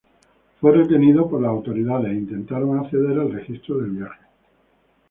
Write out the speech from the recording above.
Fue retenido por las autoridades e intentaron acceder al registro del viaje.